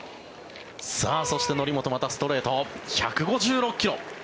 そして則本、またストレート１５６ｋｍ。